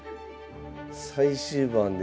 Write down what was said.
最終盤で？